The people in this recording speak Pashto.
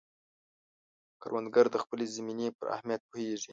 کروندګر د خپلې زمینې پر اهمیت پوهیږي